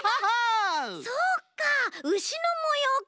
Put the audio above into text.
そうかウシのもようか。